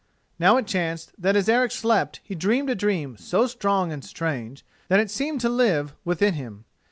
Now it chanced that as Eric slept he dreamed a dream so strong and strange that it seemed to live within him.